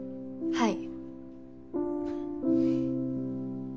はい。